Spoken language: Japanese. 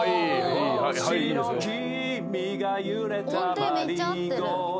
音程めっちゃ合ってる。